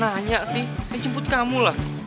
nanya sih nih jemput kamu lah